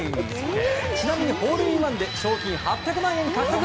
ちなみにホールインワンで賞金８００万円獲得。